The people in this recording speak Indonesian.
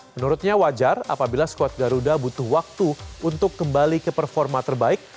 menurutnya wajar apabila skuad garuda butuh waktu untuk kembali ke performa terbaik